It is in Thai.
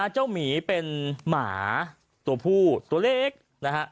หมีเป็นหมาตัวผู้ตัวเล็กนะฮะ